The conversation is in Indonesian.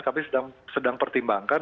kami sedang pertimbangkan